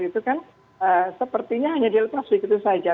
itu kan sepertinya hanya dilepas begitu saja